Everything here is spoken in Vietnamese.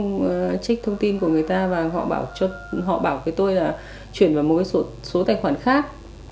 chị đức nhận được thông tin của người ta và họ bảo tôi chuyển vào một số tài khoản khác